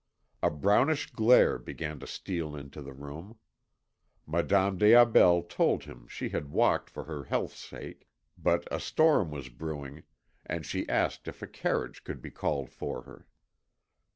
A brownish glare began to steal into the room. Madame des Aubels told him she had walked for her health's sake, but a storm was brewing, and she asked if a carriage could be called for her.